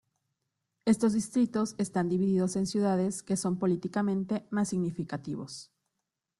Estos distritos están divididos en ciudades que son políticamente más significativos.